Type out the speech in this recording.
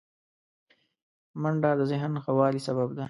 منډه د ذهن ښه والي سبب ده